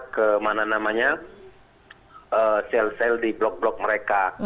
ke mana namanya sel sel di blok blok mereka